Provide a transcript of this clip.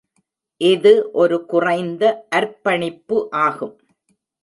இது ஒரு குறைந்த அர்ப்பணிப்பு ஆகும்.